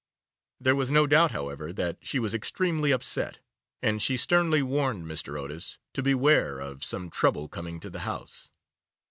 There was no doubt, however, that she was extremely upset, and she sternly warned Mr. Otis to beware of some trouble coming to the house.